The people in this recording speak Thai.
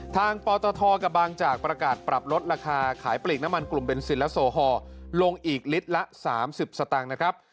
ปตทกับบางจากประกาศปรับลดราคาขายปลีกน้ำมันกลุ่มเบนซินและโซฮอลลงอีกลิตรละ๓๐สตางค์นะครับ